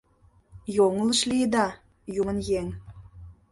— Йоҥылыш лийыда, «юмын еҥ»!